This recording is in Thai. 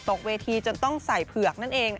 เวทีจนต้องใส่เผือกนั่นเอง